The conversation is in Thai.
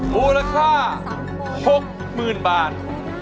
มูลค่า๖๐๐๐๐บาท